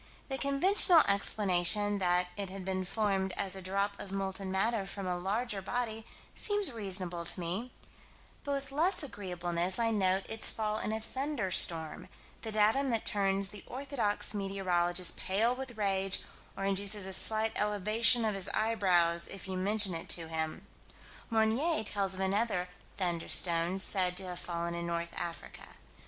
The conventional explanation that it had been formed as a drop of molten matter from a larger body seems reasonable to me; but with less agreeableness I note its fall in a thunderstorm, the datum that turns the orthodox meteorologist pale with rage, or induces a slight elevation of his eyebrows, if you mention it to him. Meunier tells of another "thunderstone" said to have fallen in North Africa.